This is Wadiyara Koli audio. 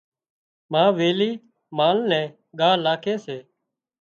ما ويلِي مال نين ڳاهَ لاکي سي۔